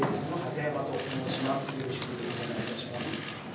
よろしくお願いします。